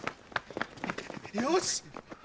よし。